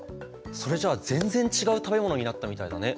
それじゃあ全然違う食べ物になったみたいだね。